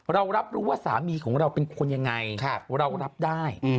เรารับรู้ว่าสามีของเราเป็นคนยังไงเรารับได้